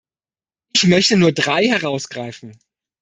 Ich möchte nur drei herausgreifen.